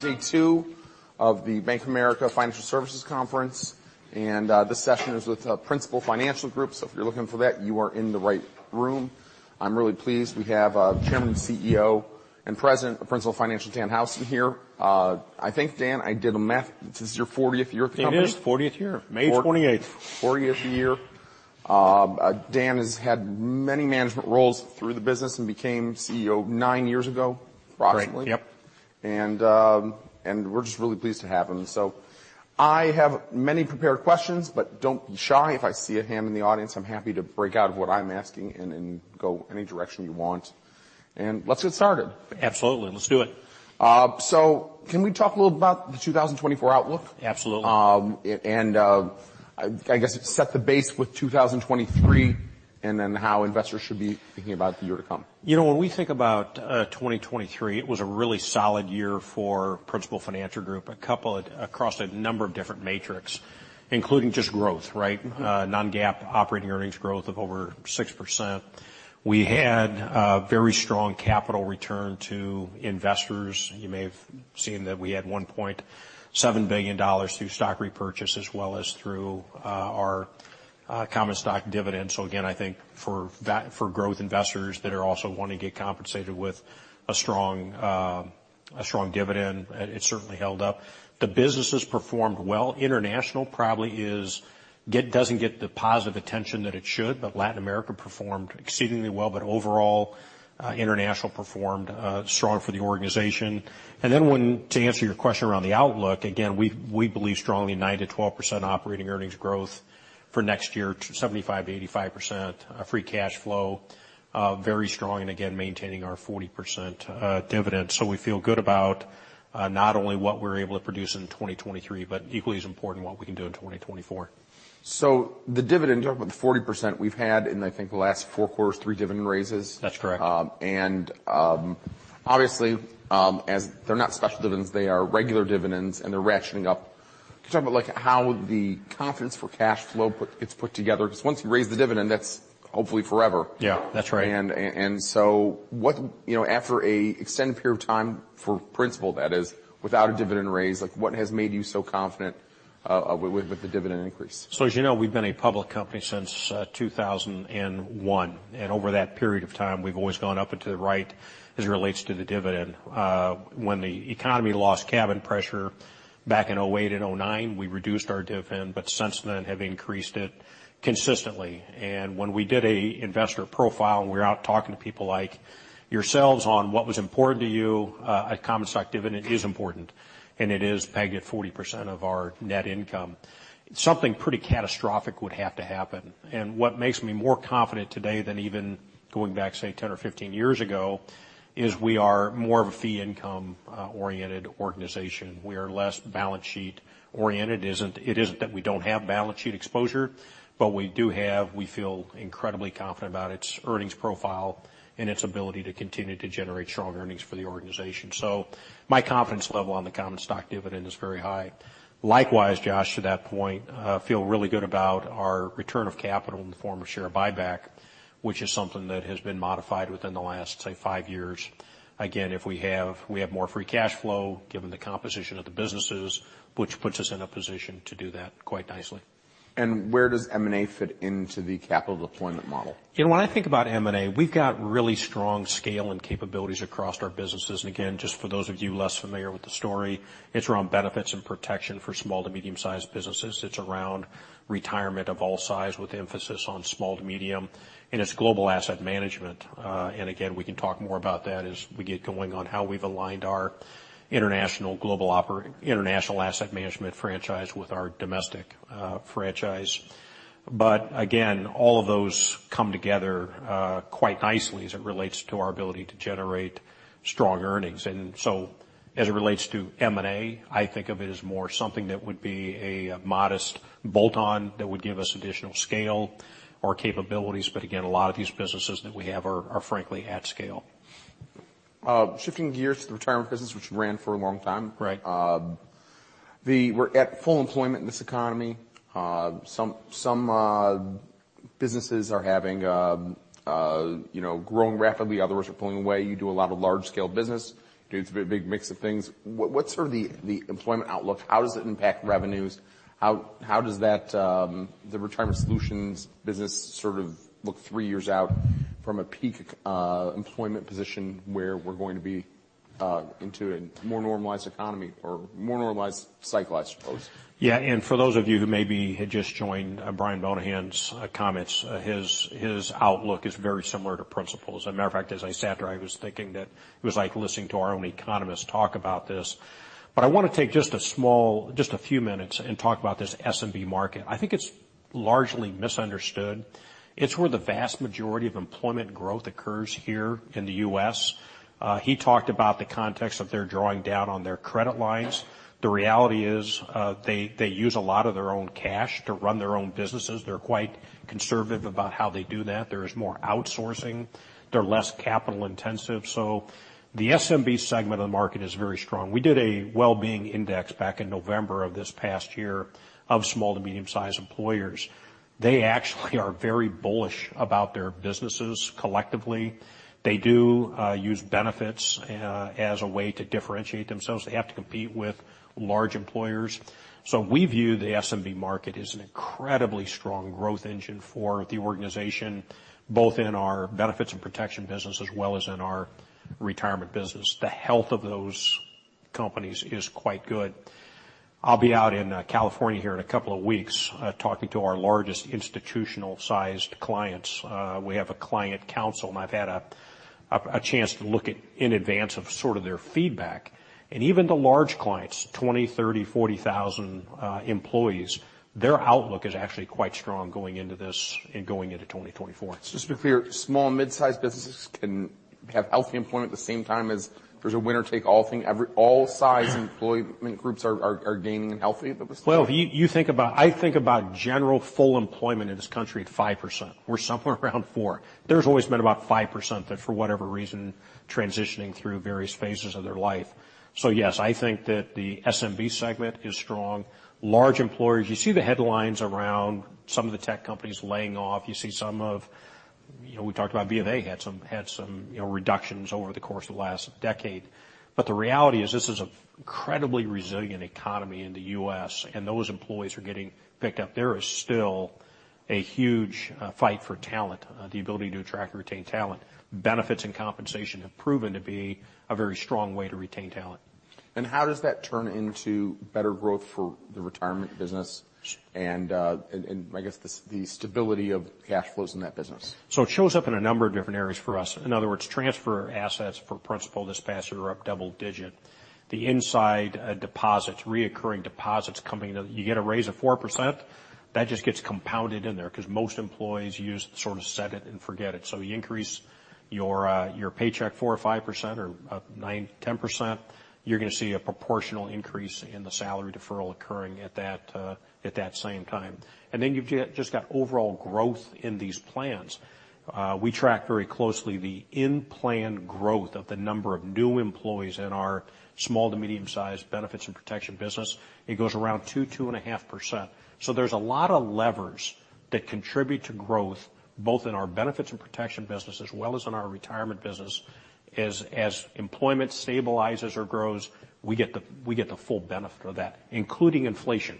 Day two of the Bank of America Financial Services Conference, and this session is with Principal Financial Group, so if you're looking for that, you are in the right room. I'm really pleased we have Chairman, CEO, and President of Principal Financial, Dan Houston, here. I think, Dan, I did a math. This is your 40th year at the company? 10 years, 40th year. May 28th. 40th year. Dan has had many management roles through the business and became CEO 9 years ago, approximately. Right, yep. And we're just really pleased to have him. So I have many prepared questions, but don't be shy. If I see a hand in the audience, I'm happy to break out of what I'm asking and go any direction you want. And let's get started. Absolutely. Let's do it. Can we talk a little about the 2024 outlook? Absolutely. I guess set the base with 2023 and then how investors should be thinking about the year to come. When we think about 2023, it was a really solid year for Principal Financial Group across a number of different metrics, including just growth, right? Non-GAAP operating earnings growth of over 6%. We had a very strong capital return to investors. You may have seen that we had $1.7 billion through stock repurchase as well as through our common stock dividend. So again, I think for growth investors that are also wanting to get compensated with a strong dividend, it certainly held up. The businesses performed well. International probably doesn't get the positive attention that it should, but Latin America performed exceedingly well. But overall, International performed strong for the organization. And then to answer your question around the outlook, again, we believe strongly 9%-12% operating earnings growth for next year, 75%-85% free cash flow, very strong, and again, maintaining our 40% dividend. We feel good about not only what we're able to produce in 2023, but equally as important what we can do in 2024. The dividend, you're talking about the 40% we've had in, I think, the last four quarters, three dividend raises? That's correct. Obviously, they're not special dividends. They are regular dividends, and they're ratcheting up. Can you talk about how the confidence for cash flow gets put together? Because once you raise the dividend, that's hopefully forever. Yeah, that's right. And so after an extended period of time for Principal, that is, without a dividend raise, what has made you so confident with the dividend increase? So as you know, we've been a public company since 2001, and over that period of time, we've always gone up and to the right as it relates to the dividend. When the economy lost cabin pressure back in 2008 and 2009, we reduced our dividend, but since then have increased it consistently. And when we did an investor profile and we were out talking to people like yourselves on what was important to you, a common stock dividend is important, and it is pegged at 40% of our net income. Something pretty catastrophic would have to happen. And what makes me more confident today than even going back, say, 10 or 15 years ago is we are more of a fee-income-oriented organization. We are less balance sheet-oriented. It isn't that we don't have balance sheet exposure, but we do have, we feel incredibly confident about its earnings profile and its ability to continue to generate strong earnings for the organization. So my confidence level on the common stock dividend is very high. Likewise, Josh, to that point, I feel really good about our return of capital in the form of share buyback, which is something that has been modified within the last, say, 5 years. Again, we have more free cash flow given the composition of the businesses, which puts us in a position to do that quite nicely. Where does M&A fit into the capital deployment model? When I think about M&A, we've got really strong scale and capabilities across our businesses. And again, just for those of you less familiar with the story, it's around benefits and protection for small to medium-sized businesses. It's around retirement of all size with emphasis on small to medium, and it's global asset management. And again, we can talk more about that as we get going on how we've aligned our international asset management franchise with our domestic franchise. But again, all of those come together quite nicely as it relates to our ability to generate strong earnings. And so as it relates to M&A, I think of it as more something that would be a modest bolt-on that would give us additional scale or capabilities. But again, a lot of these businesses that we have are, frankly, at scale. Shifting gears to the retirement business, which ran for a long time. We're at full employment in this economy. Some businesses are growing rapidly. Others are pulling away. You do a lot of large-scale business. You do a big mix of things. What's sort of the employment outlook? How does it impact revenues? How does the retirement solutions business sort of look three years out from a peak employment position where we're going to be into a more normalized economy or more normalized cycle, I suppose? Yeah. For those of you who maybe had just joined Brian Moynihan's comments, his outlook is very similar to Principal's. As a matter of fact, as I sat there, I was thinking that it was like listening to our own economist talk about this. But I want to take just a few minutes and talk about this SMB market. I think it's largely misunderstood. It's where the vast majority of employment growth occurs here in the U.S. He talked about the context of their drawing down on their credit lines. The reality is they use a lot of their own cash to run their own businesses. They're quite conservative about how they do that. There is more outsourcing. They're less capital-intensive. So the SMB segment of the market is very strong. We did a well-being index back in November of this past year of small- to medium-sized employers. They actually are very bullish about their businesses collectively. They do use benefits as a way to differentiate themselves. They have to compete with large employers. So we view the SMB market as an incredibly strong growth engine for the organization, both in our benefits and protection business as well as in our retirement business. The health of those companies is quite good. I'll be out in California here in a couple of weeks talking to our largest institutional-sized clients. We have a client council, and I've had a chance to look in advance of sort of their feedback. Even the large clients, 20,000, 30,000, 40,000 employees, their outlook is actually quite strong going into this and going into 2024. Just to be clear, small and midsize businesses can have healthy employment at the same time as there's a winner-take-all thing? All size employment groups are gaining and healthy at this point? Well, I think about general full employment in this country at 5%. We're somewhere around 4%. There's always been about 5% that, for whatever reason, are transitioning through various phases of their life. So yes, I think that the SMB segment is strong. Large employers, you see the headlines around some of the tech companies laying off. You see some of we talked about B of A had some reductions over the course of the last decade. But the reality is this is an incredibly resilient economy in the U.S., and those employees are getting picked up. There is still a huge fight for talent, the ability to attract and retain talent. Benefits and compensation have proven to be a very strong way to retain talent. How does that turn into better growth for the retirement business and, I guess, the stability of cash flows in that business? So it shows up in a number of different areas for us. In other words, transferred assets for Principal this past year are up double-digit. The inside deposits, recurring deposits coming in, you get a raise of 4%, that just gets compounded in there because most employees use sort of set it and forget it. So you increase your paycheck 4 or 5% or 9, 10%, you're going to see a proportional increase in the salary deferral occurring at that same time. And then you've just got overall growth in these plans. We track very closely the in-plan growth of the number of new employees in our small- to medium-sized benefits and protection business. It goes around 2%-2.5%. So there's a lot of levers that contribute to growth both in our benefits and protection business as well as in our retirement business. As employment stabilizes or grows, we get the full benefit of that, including inflation.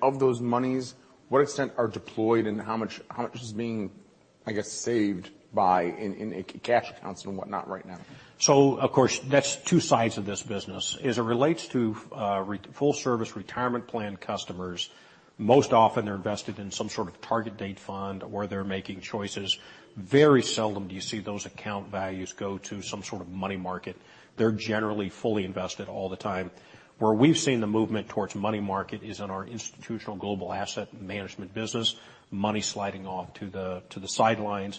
Of those monies, what extent are deployed and how much is being, I guess, saved by in cash accounts and whatnot right now? Of course, that's two sides of this business. As it relates to full-service retirement plan customers, most often they're invested in some sort of Target Date Fund where they're making choices. Very seldom do you see those account values go to some sort of Money Market. They're generally fully invested all the time. Where we've seen the movement towards Money Market is in our institutional global asset management business, money sliding off to the sidelines.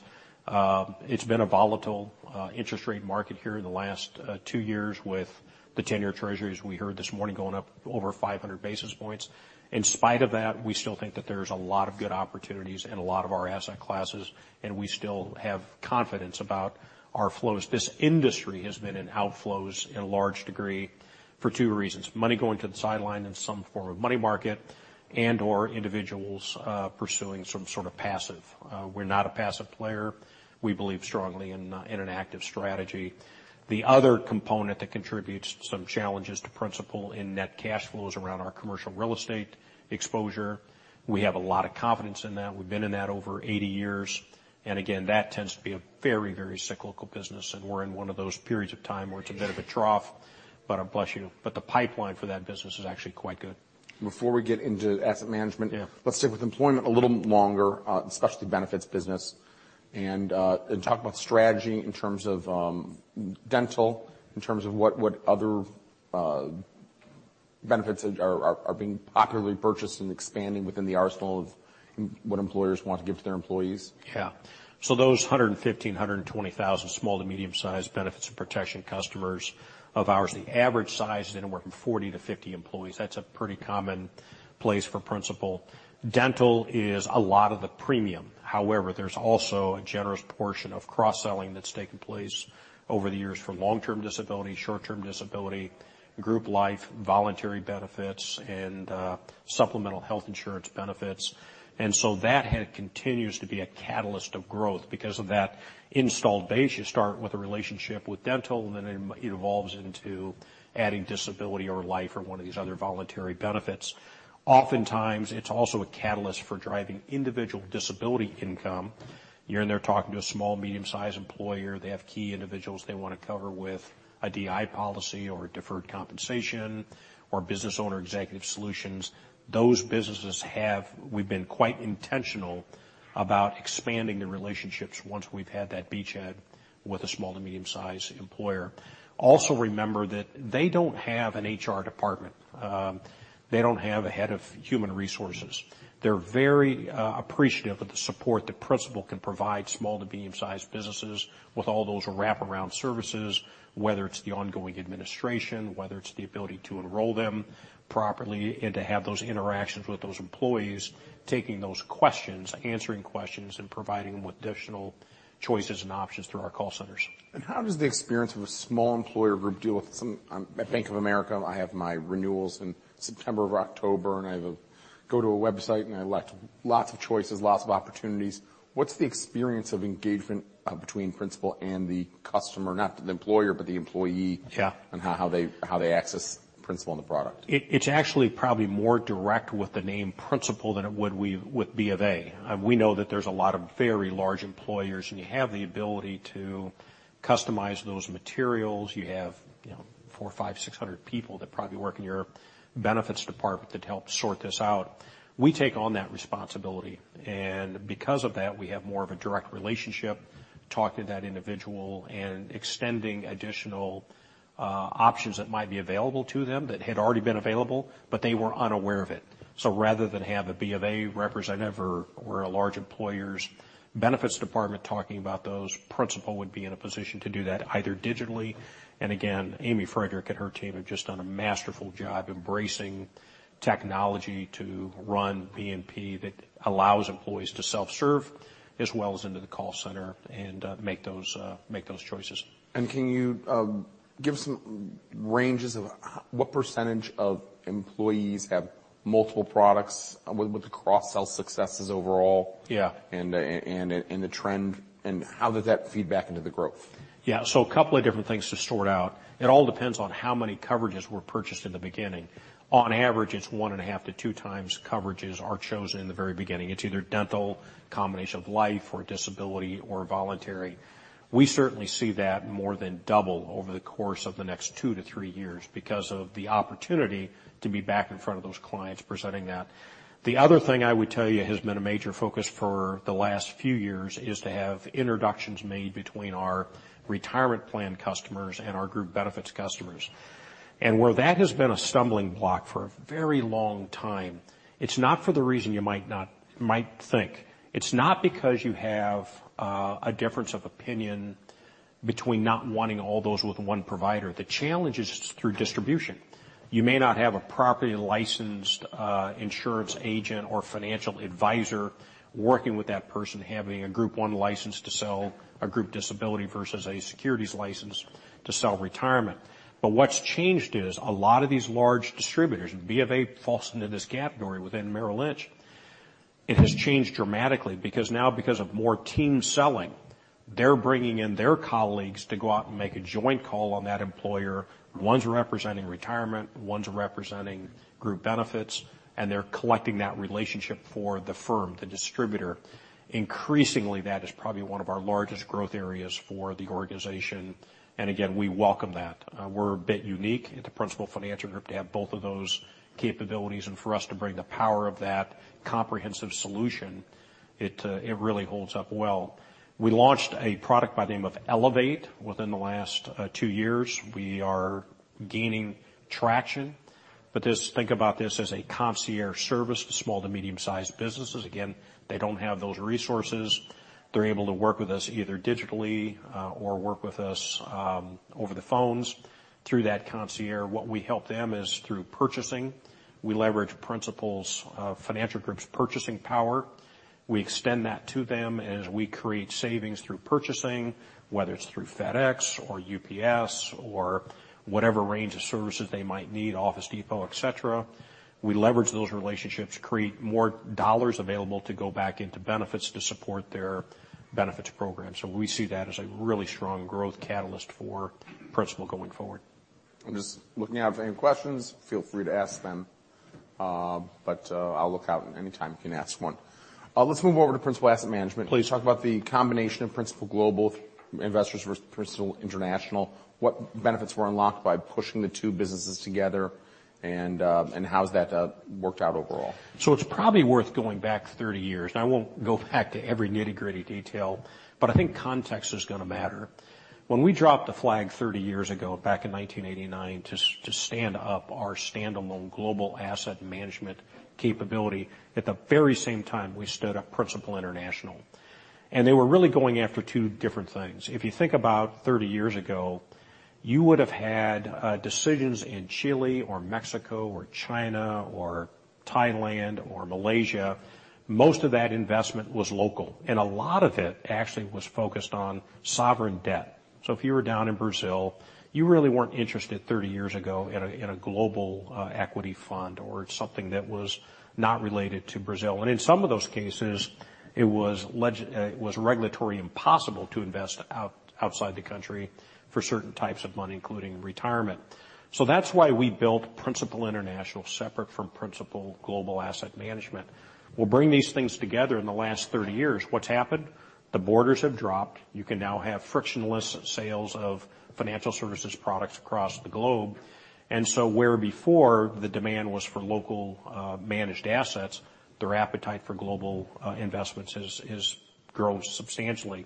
It's been a volatile interest rate market here in the last two years with the 10-Year Treasuries. We heard this morning going up over 500 basis points. In spite of that, we still think that there's a lot of good opportunities in a lot of our asset classes, and we still have confidence about our flows. This industry has been in outflows in a large degree for two reasons: money going to the sideline in some form of money market and/or individuals pursuing some sort of passive. We're not a passive player. We believe strongly in an active strategy. The other component that contributes some challenges to Principal in net cash flows around our commercial real estate exposure. We have a lot of confidence in that. We've been in that over 80 years. And again, that tends to be a very, very cyclical business, and we're in one of those periods of time where it's a bit of a trough, but I bless you. But the pipeline for that business is actually quite good. Before we get into asset management, let's stick with employee a little longer, especially benefits business, and talk about strategy in terms of dental, in terms of what other benefits are being popularly purchased and expanding within the arsenal of what employers want to give to their employees. Yeah. So those 115,000-120,000 small to medium-sized benefits and protection customers of ours, the average size is anywhere from 40-50 employees. That's a pretty common place for Principal. Dental is a lot of the premium. However, there's also a generous portion of cross-selling that's taken place over the years for long-term disability, short-term disability, group life, voluntary benefits, and supplemental health insurance benefits. And so that continues to be a catalyst of growth because of that installed base. You start with a relationship with dental, and then it evolves into adding disability or life or one of these other voluntary benefits. Oftentimes, it's also a catalyst for driving individual disability income. You're in there talking to a small, medium-sized employer. They have key individuals they want to cover with a DI policy or deferred compensation or business owner executive solutions. Those businesses have, we've been quite intentional about expanding the relationships once we've had that beachhead with a small to medium-sized employer. Also remember that they don't have an HR department. They don't have a head of human resources. They're very appreciative of the support that Principal can provide small to medium-sized businesses with all those wraparound services, whether it's the ongoing administration, whether it's the ability to enroll them properly and to have those interactions with those employees, taking those questions, answering questions, and providing them with additional choices and options through our call centers. How does the experience of a small employer group deal with some at Bank of America? I have my renewals in September or October, and I go to a website, and I elect lots of choices, lots of opportunities. What's the experience of engagement between Principal and the customer, not the employer, but the employee, and how they access Principal and the product? It's actually probably more direct with the name Principal than it would be with B of A. We know that there's a lot of very large employers, and you have the ability to customize those materials. You have 400, 500, 600 people that probably work in your benefits department that help sort this out. We take on that responsibility. And because of that, we have more of a direct relationship talking to that individual and extending additional options that might be available to them that had already been available but they were unaware of it. So rather than have a B of A representative or a large employer's benefits department talking about those, Principal would be in a position to do that either digitally. Again, Amy Friedrich and her team have just done a masterful job embracing technology to run BNP that allows employees to self-serve as well as into the call center and make those choices. Can you give some ranges of what percentage of employees have multiple products with the cross-sell successes overall and the trend, and how does that feed back into the growth? Yeah. So a couple of different things to sort out. It all depends on how many coverages were purchased in the beginning. On average, it's 1.5-2 times coverages are chosen in the very beginning. It's either dental, combination of life, or disability, or voluntary. We certainly see that more than double over the course of the next 2-3 years because of the opportunity to be back in front of those clients presenting that. The other thing I would tell you has been a major focus for the last few years is to have introductions made between our retirement plan customers and our group benefits customers. And where that has been a stumbling block for a very long time, it's not for the reason you might think. It's not because you have a difference of opinion between not wanting all those with one provider. The challenge is through distribution. You may not have a properly licensed insurance agent or financial advisor working with that person, having a group one license to sell a group disability versus a securities license to sell retirement. But what's changed is a lot of these large distributors, and B of A falls into this category within Merrill Lynch, it has changed dramatically because now, because of more team selling, they're bringing in their colleagues to go out and make a joint call on that employer. One's representing retirement. One's representing group benefits. And they're collecting that relationship for the firm, the distributor. Increasingly, that is probably one of our largest growth areas for the organization. And again, we welcome that. We're a bit unique at the Principal Financial Group to have both of those capabilities. And for us to bring the power of that comprehensive solution, it really holds up well. We launched a product by the name of Elevate within the last two years. We are gaining traction. But think about this as a concierge service to small to medium-sized businesses. Again, they don't have those resources. They're able to work with us either digitally or work with us over the phones through that concierge. What we help them is through purchasing. We leverage Principal Financial Group's purchasing power. We extend that to them as we create savings through purchasing, whether it's through FedEx or UPS or whatever range of services they might need, Office Depot, etc. We leverage those relationships, create more dollars available to go back into benefits to support their benefits program. So we see that as a really strong growth catalyst for Principal going forward. I'm just looking out if any questions. Feel free to ask them, but I'll look out anytime you can ask one. Let's move over to Principal Asset Management. Please talk about the combination of Principal Global Investors versus Principal International, what benefits were unlocked by pushing the two businesses together, and how has that worked out overall? So it's probably worth going back 30 years. Now, I won't go back to every nitty-gritty detail, but I think context is going to matter. When we dropped the flag 30 years ago, back in 1989, to stand up our standalone global asset management capability, at the very same time, we stood up Principal International. And they were really going after two different things. If you think about 30 years ago, you would have had decisions in Chile or Mexico or China or Thailand or Malaysia; most of that investment was local. And a lot of it actually was focused on sovereign debt. So if you were down in Brazil, you really weren't interested 30 years ago in a global equity fund or something that was not related to Brazil. In some of those cases, it was regulatory impossible to invest outside the country for certain types of money, including retirement. That's why we built Principal International separate from Principal Global Asset Management. We'll bring these things together. In the last 30 years, what's happened? The borders have dropped. You can now have frictionless sales of financial services products across the globe. Where before the demand was for local managed assets, their appetite for global investments has grown substantially.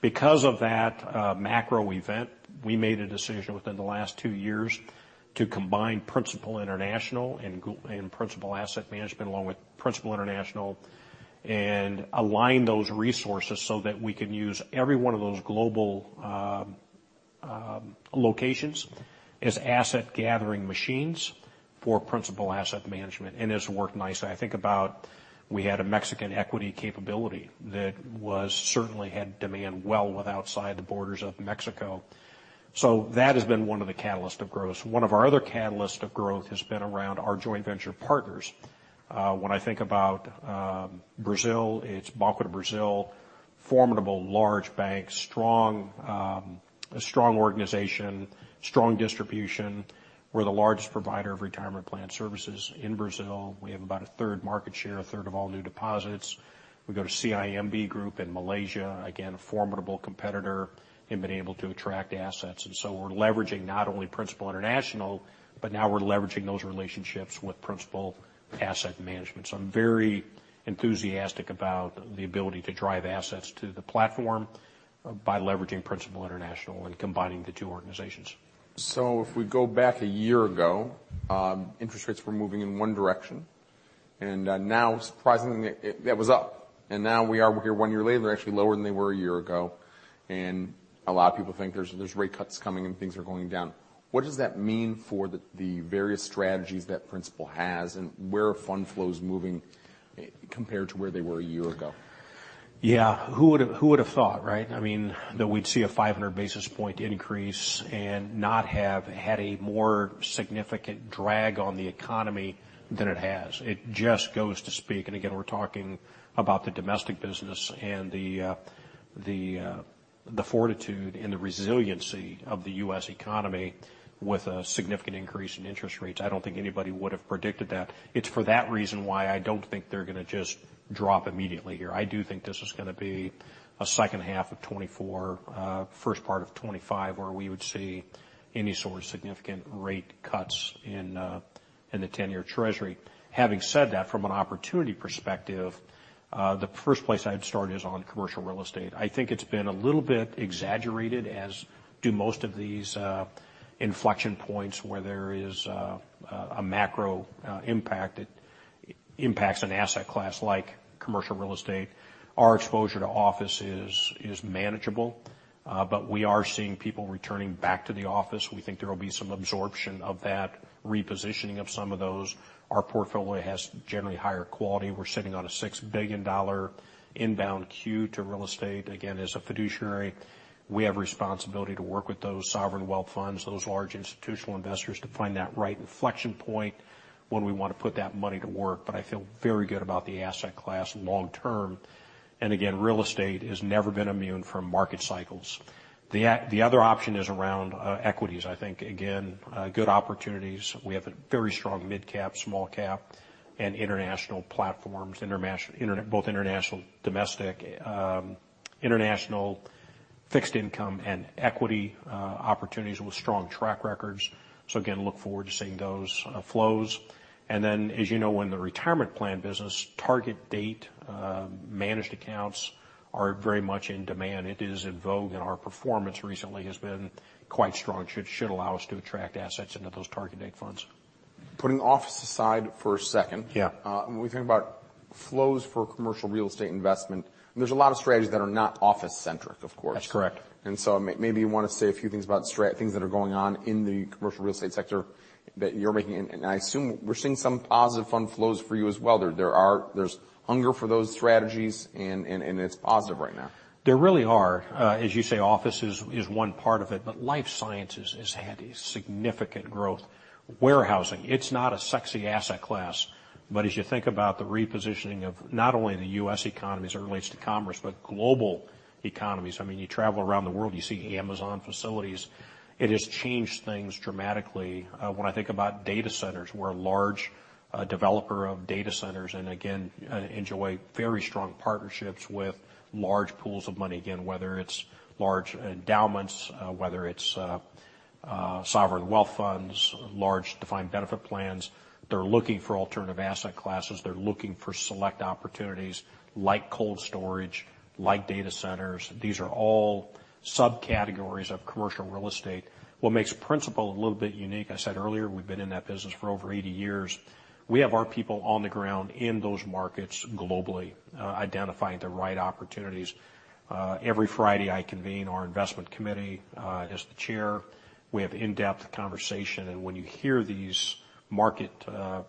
Because of that macro event, we made a decision within the last two years to combine Principal International and Principal Asset Management along with Principal International and align those resources so that we can use every one of those global locations as asset-gathering machines for Principal Asset Management. It's worked nicely. I think about we had a Mexican equity capability that certainly had demand well with outside the borders of Mexico. So that has been one of the catalysts of growth. One of our other catalysts of growth has been around our joint venture partners. When I think about Brazil, it's Banco do Brasil, formidable large bank, strong organization, strong distribution. We're the largest provider of retirement plan services in Brazil. We have about a third market share, a third of all new deposits. We go to CIMB Group in Malaysia, again, a formidable competitor and been able to attract assets. And so we're leveraging not only Principal International, but now we're leveraging those relationships with Principal Asset Management. So I'm very enthusiastic about the ability to drive assets to the platform by leveraging Principal International and combining the two organizations. So if we go back a year ago, interest rates were moving in one direction. And now, surprisingly, that was up. And now we are here one year later. They're actually lower than they were a year ago. And a lot of people think there's rate cuts coming and things are going down. What does that mean for the various strategies that Principal has, and where are fund flows moving compared to where they were a year ago? Yeah. Who would have thought, right, I mean, that we'd see a 500 basis point increase and not have had a more significant drag on the economy than it has? It just goes to speak. And again, we're talking about the domestic business and the fortitude and the resiliency of the U.S. economy with a significant increase in interest rates. I don't think anybody would have predicted that. It's for that reason why I don't think they're going to just drop immediately here. I do think this is going to be a second half of 2024, first part of 2025, where we would see any sort of significant rate cuts in the 10-year Treasury. Having said that, from an opportunity perspective, the first place I'd start is on commercial real estate. I think it's been a little bit exaggerated, as do most of these inflection points where there is a macro impact that impacts an asset class like commercial real estate. Our exposure to office is manageable, but we are seeing people returning back to the office. We think there will be some absorption of that, repositioning of some of those. Our portfolio has generally higher quality. We're sitting on a $6 billion inbound queue to real estate. Again, as a fiduciary, we have responsibility to work with those Sovereign Wealth Funds, those large institutional investors, to find that right inflection point when we want to put that money to work. But I feel very good about the asset class long term. And again, real estate has never been immune from market cycles. The other option is around equities, I think. Again, good opportunities. We have very strong mid-cap, small-cap, and international platforms, both international, domestic, international fixed income, and equity opportunities with strong track records. So again, look forward to seeing those flows. And then, as you know, in the retirement plan business, target date managed accounts are very much in demand. It is in vogue, and our performance recently has been quite strong. It should allow us to attract assets into those target date funds. Putting office aside for a second, when we think about flows for commercial real estate investment, there's a lot of strategies that are not office-centric, of course. That's correct. So maybe you want to say a few things about things that are going on in the commercial real estate sector that you're making. I assume we're seeing some positive fund flows for you as well. There's hunger for those strategies, and it's positive right now. There really are. As you say, office is one part of it, but life sciences has had significant growth. Warehousing, it's not a sexy asset class. But as you think about the repositioning of not only the U.S. economies as it relates to commerce but global economies, I mean, you travel around the world. You see Amazon facilities. It has changed things dramatically. When I think about data centers, we're a large developer of data centers and, again, enjoy very strong partnerships with large pools of money, again, whether it's large endowments, whether it's sovereign wealth funds, large defined benefit plans. They're looking for alternative asset classes. They're looking for select opportunities like cold storage, like data centers. These are all subcategories of commercial real estate. What makes Principal a little bit unique, I said earlier, we've been in that business for over 80 years. We have our people on the ground in those markets globally identifying the right opportunities. Every Friday, I convene our investment committee as the chair. We have in-depth conversation. When you hear these market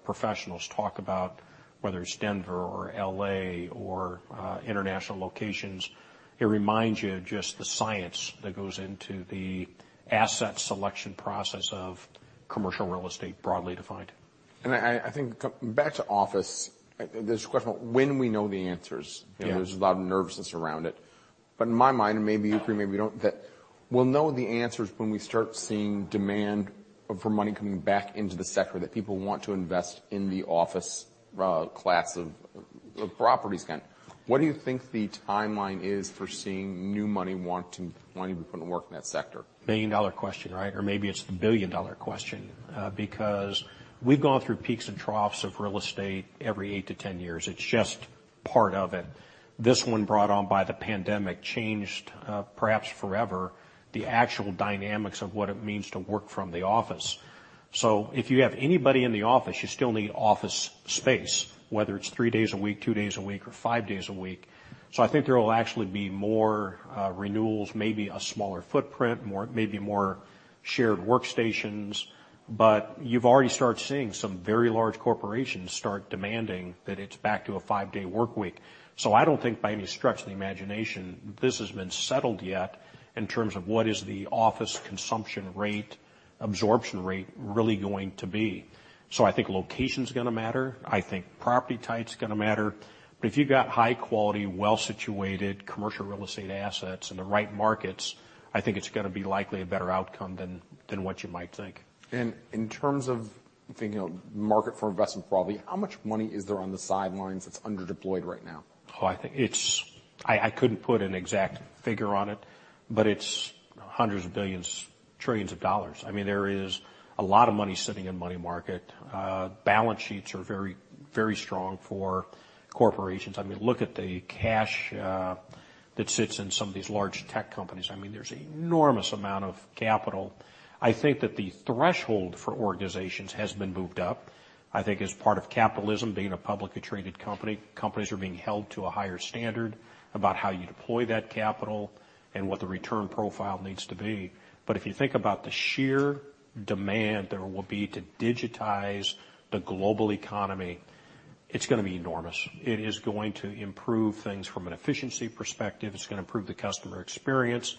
professionals talk about whether it's Denver or L.A. or international locations, it reminds you of just the science that goes into the asset selection process of commercial real estate broadly defined. I think back to office, there's a question about when we know the answers. There's a lot of nervousness around it. But in my mind, and maybe you agree, maybe you don't, that we'll know the answers when we start seeing demand for money coming back into the sector, that people want to invest in the office class of properties again. What do you think the timeline is for seeing new money wanting to be put to work in that sector? Million-dollar question, right? Or maybe it's the billion-dollar question because we've gone through peaks and troughs of real estate every 8-10 years. It's just part of it. This one, brought on by the pandemic, changed perhaps forever the actual dynamics of what it means to work from the office. So if you have anybody in the office, you still need office space, whether it's three days a week, two days a week, or five days a week. So I think there will actually be more renewals, maybe a smaller footprint, maybe more shared workstations. But you've already started seeing some very large corporations start demanding that it's back to a five-day workweek. So I don't think by any stretch of the imagination this has been settled yet in terms of what is the office consumption rate, absorption rate really going to be. So I think location's going to matter. I think property type's going to matter. But if you've got high-quality, well-situated commercial real estate assets in the right markets, I think it's going to be likely a better outcome than what you might think. In terms of thinking about market for investment probability, how much money is there on the sidelines that's underdeployed right now? Oh, I couldn't put an exact figure on it, but it's $hundreds of billions, trillions. I mean, there is a lot of money sitting in the money market. Balance sheets are very, very strong for corporations. I mean, look at the cash that sits in some of these large tech companies. I mean, there's an enormous amount of capital. I think that the threshold for organizations has been moved up. I think as part of capitalism, being a publicly traded company, companies are being held to a higher standard about how you deploy that capital and what the return profile needs to be. But if you think about the sheer demand there will be to digitize the global economy, it's going to be enormous. It is going to improve things from an efficiency perspective. It's going to improve the customer experience.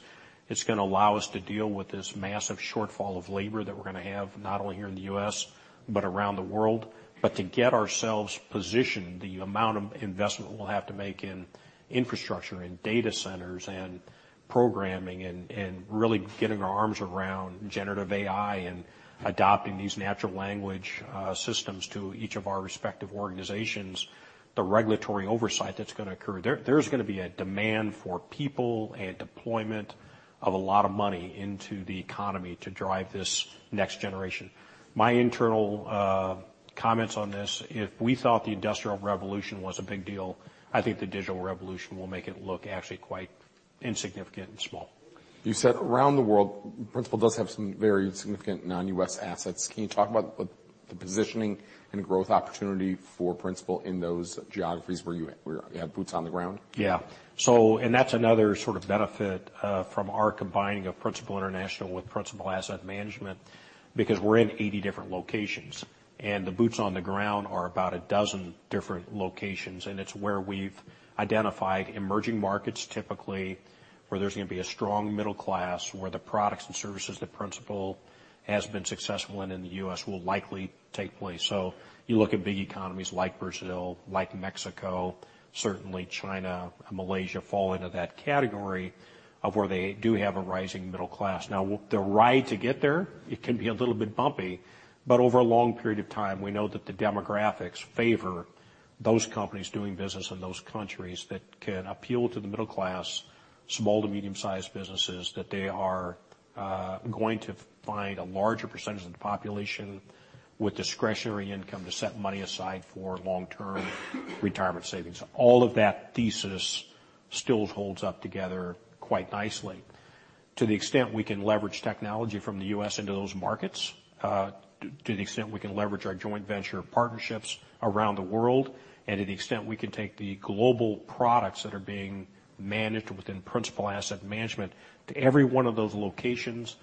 It's going to allow us to deal with this massive shortfall of labor that we're going to have not only here in the U.S. but around the world. But to get ourselves positioned, the amount of investment we'll have to make in infrastructure and data centers and programming and really getting our arms around generative AI and adopting these natural language systems to each of our respective organizations, the regulatory oversight that's going to occur, there's going to be a demand for people and deployment of a lot of money into the economy to drive this next generation. My internal comments on this, if we thought the industrial revolution was a big deal, I think the digital revolution will make it look actually quite insignificant and small. You said around the world, Principal does have some very significant non-U.S. assets. Can you talk about the positioning and growth opportunity for Principal in those geographies where you have boots on the ground? Yeah. That's another sort of benefit from our combining of Principal International with Principal Asset Management because we're in 80 different locations. The boots on the ground are about 12 different locations. It's where we've identified emerging markets, typically, where there's going to be a strong middle class where the products and services that Principal has been successful in in the U.S. will likely take place. You look at big economies like Brazil, like Mexico, certainly China, Malaysia fall into that category of where they do have a rising middle class. Now, the ride to get there, it can be a little bit bumpy. But over a long period of time, we know that the demographics favor those companies doing business in those countries that can appeal to the middle class, small to medium-sized businesses, that they are going to find a larger percentage of the population with discretionary income to set money aside for long-term retirement savings. All of that thesis still holds up together quite nicely to the extent we can leverage technology from the U.S. into those markets, to the extent we can leverage our joint venture partnerships around the world And to the extent we can take the global products that are being managed within Principal Asset Management to every one of those locations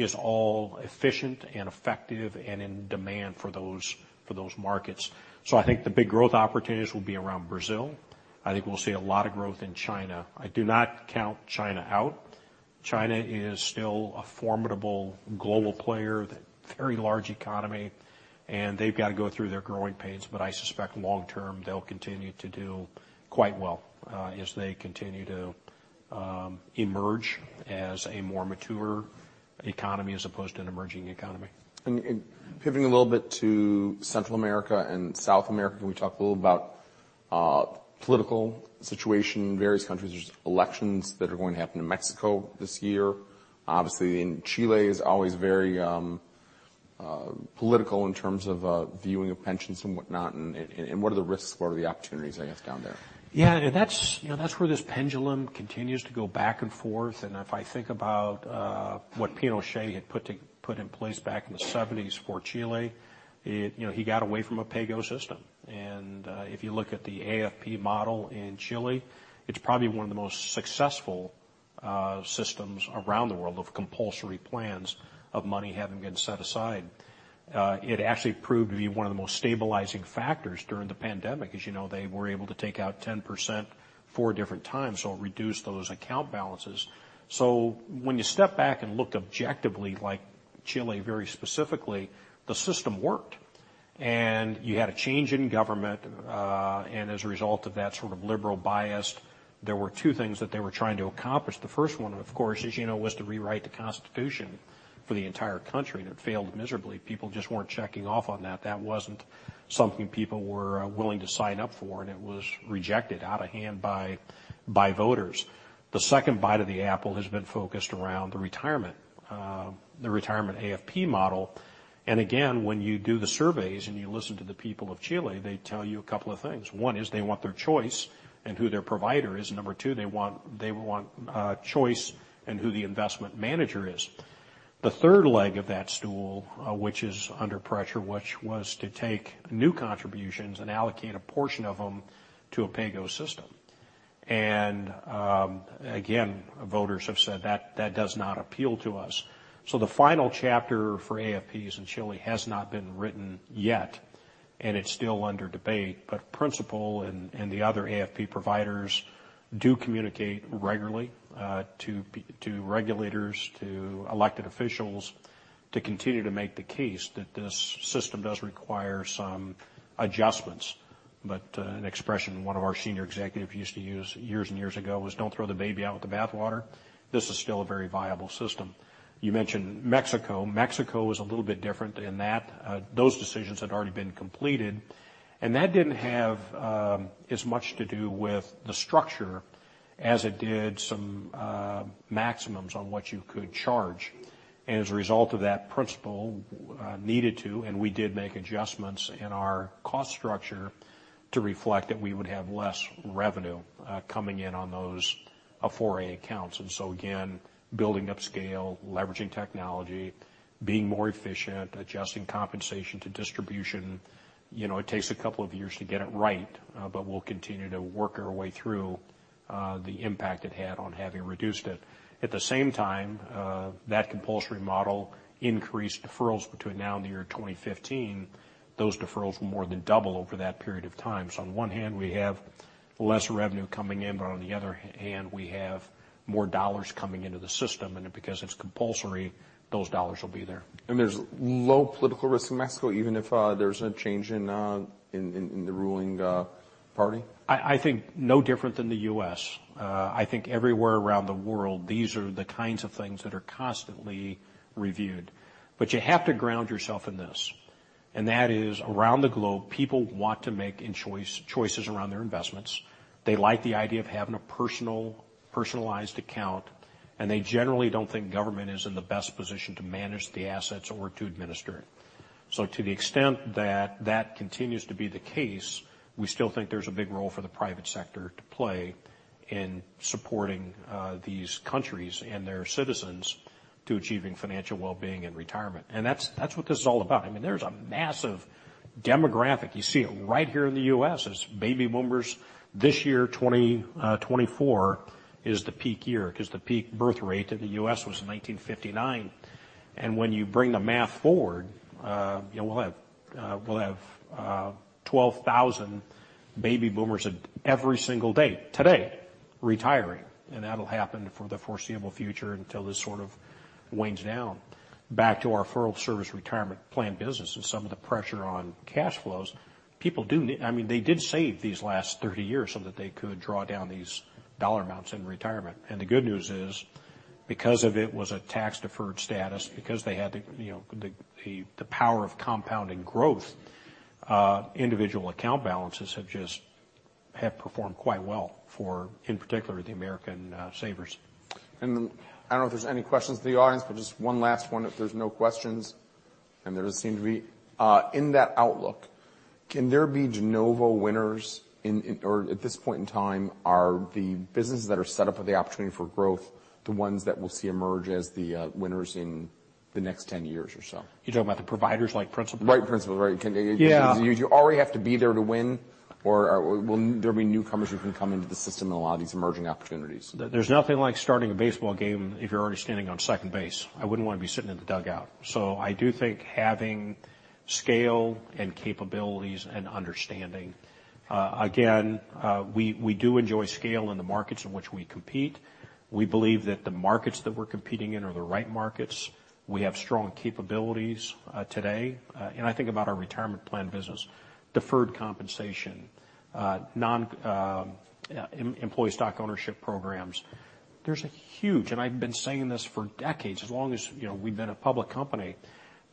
is all efficient and effective and in demand for those markets. So I think the big growth opportunities will be around Brazil. I think we'll see a lot of growth in China. I do not count China out. China is still a formidable global player, very large economy. And they've got to go through their growing pains. But I suspect long term, they'll continue to do quite well as they continue to emerge as a more mature economy as opposed to an emerging economy. Pivoting a little bit to Central America and South America, can we talk a little about political situation in various countries? There's elections that are going to happen in Mexico this year. Obviously, Chile is always very political in terms of viewing of pensions and whatnot. What are the risks? What are the opportunities, I guess, down there? Yeah. That's where this pendulum continues to go back and forth. If I think about what Pinochet had put in place back in the 1970s for Chile, he got away from a PAYGO system. If you look at the AFP model in Chile, it's probably one of the most successful systems around the world of compulsory plans of money having been set aside. It actually proved to be one of the most stabilizing factors during the pandemic. As you know, they were able to take out 10% four different times, so it reduced those account balances. When you step back and look objectively like Chile very specifically, the system worked. You had a change in government. As a result of that sort of liberal bias, there were two things that they were trying to accomplish. The first one, of course, as you know, was to rewrite the constitution for the entire country. And it failed miserably. People just weren't checking off on that. That wasn't something people were willing to sign up for. And it was rejected, out of hand, by voters. The second bite of the apple has been focused around the retirement AFP model. And again, when you do the surveys and you listen to the people of Chile, they tell you a couple of things. One is they want their choice and who their provider is. Number two, they want choice and who the investment manager is. The third leg of that stool, which is under pressure, which was to take new contributions and allocate a portion of them to a PAYGO system. And again, voters have said that does not appeal to us. So the final chapter for AFPs in Chile has not been written yet. And it's still under debate. But Principal and the other AFP providers do communicate regularly to regulators, to elected officials to continue to make the case that this system does require some adjustments. But an expression one of our senior executives used to use years and years ago was, "Don't throw the baby out with the bathwater." This is still a very viable system. You mentioned Mexico. Mexico is a little bit different in that. Those decisions had already been completed. And that didn't have as much to do with the structure as it did some maximums on what you could charge. And as a result of that, Principal needed to, and we did make adjustments in our cost structure to reflect that we would have less revenue coming in on those Afore accounts. And so again, building up scale, leveraging technology, being more efficient, adjusting compensation to distribution, it takes a couple of years to get it right. But we'll continue to work our way through the impact it had on having reduced it. At the same time, that compulsory model increased deferrals. Between now and the year 2015, those deferrals were more than double over that period of time. So on one hand, we have less revenue coming in. But on the other hand, we have more dollars coming into the system. And because it's compulsory, those dollars will be there. There's low political risk in Mexico even if there's a change in the ruling party? I think no different than the U.S. I think everywhere around the world, these are the kinds of things that are constantly reviewed. But you have to ground yourself in this. And that is, around the globe, people want to make choices around their investments. They like the idea of having a personalized account. And they generally don't think government is in the best position to manage the assets or to administer it. So to the extent that that continues to be the case, we still think there's a big role for the private sector to play in supporting these countries and their citizens to achieving financial well-being and retirement. And that's what this is all about. I mean, there's a massive demographic. You see it right here in the U.S. as Baby Boomers. This year, 2024, is the peak year because the peak birth rate in the U.S. was in 1959. When you bring the math forward, we'll have 12,000 baby boomers at every single date today retiring. That'll happen for the foreseeable future until this sort of wanes down. Back to our full-service retirement plan business and some of the pressure on cash flows, people do need I mean, they did save these last 30 years so that they could draw down these dollar amounts in retirement. The good news is, because it was a tax-deferred status, because they had the power of compounding growth, individual account balances have performed quite well for, in particular, the American savers. I don't know if there's any questions in the audience, but just one last one if there's no questions. There does seem to be. In that outlook, can there be de novo winners? Or at this point in time, are the businesses that are set up with the opportunity for growth the ones that we'll see emerge as the winners in the next 10 years or so? You're talking about the providers like Principal? Right, Principal. Right. Yeah. You already have to be there to win. Or will there be newcomers who can come into the system and allow these emerging opportunities? There's nothing like starting a baseball game if you're already standing on second base. I wouldn't want to be sitting in the dugout. So I do think having scale and capabilities and understanding again, we do enjoy scale in the markets in which we compete. We believe that the markets that we're competing in are the right markets. We have strong capabilities today. And I think about our retirement plan business, deferred compensation, employee stock ownership programs. And I've been saying this for decades, as long as we've been a public company,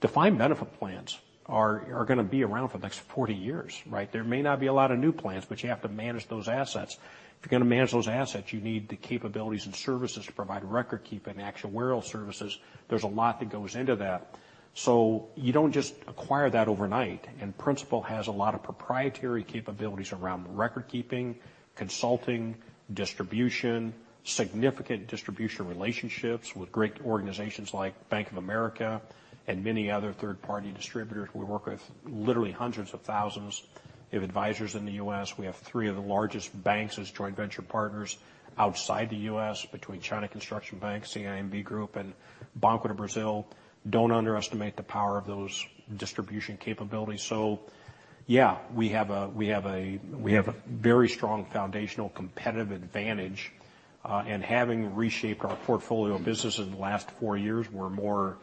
defined benefit plans are going to be around for the next 40 years, right? There may not be a lot of new plans, but you have to manage those assets. If you're going to manage those assets, you need the capabilities and services to provide record keeping, actuarial services. There's a lot that goes into that. So you don't just acquire that overnight. Principal has a lot of proprietary capabilities around record keeping, consulting, distribution, significant distribution relationships with great organizations like Bank of America and many other third-party distributors. We work with literally hundreds of thousands of advisors in the U.S. We have three of the largest banks as joint venture partners outside the U.S. between China Construction Bank, CIMB Group, and Banco do Brasil. Don't underestimate the power of those distribution capabilities. So yeah, we have a very strong foundational competitive advantage. Having reshaped our portfolio business in the last four years, we're more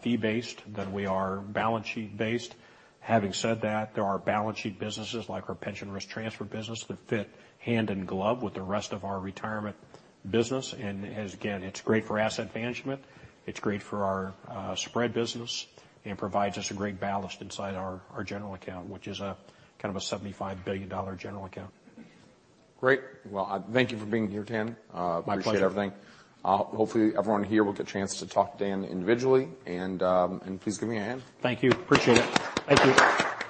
fee-based than we are balance sheet-based. Having said that, there are balance sheet businesses like our Pension Risk Transfer business that fit hand in glove with the rest of our retirement business. Again, it's great for asset management. It's great for our Spread Business and provides us a great ballast inside our General Account, which is kind of a $75 billion General Account. Great. Well, thank you for being here, Dan. My pleasure. Appreciate everything. Hopefully, everyone here will get a chance to talk to Dan individually. Please give me a hand. Thank you. Appreciate it. Thank you.